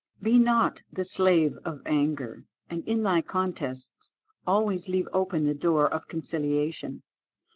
"Be not the slave of anger; and in thy contests always leave open the door of conciliation.